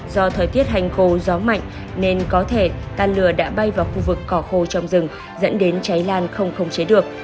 do thời tiết hành khô gió mạnh nên có thể tàn lửa đã bay vào khu vực cỏ khô trong rừng dẫn đến cháy lan không khống chế được